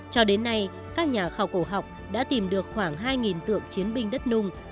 cho đến nay các nhà khảo cổ học đã tìm được khoảng hai tượng chiến binh đất nung